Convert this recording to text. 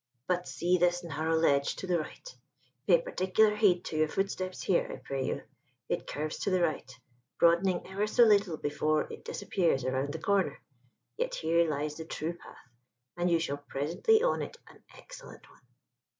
But see this narrow ledge to the right pay particular heed to your footsteps here, I pray you: it curves to the right, broadening ever so little before it disappears around the corner: yet here lies the true path, and you shall presently own it an excellent one."